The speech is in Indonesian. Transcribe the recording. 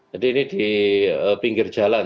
jadi ini di pinggir jalan